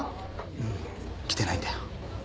うーん来てないんだよ。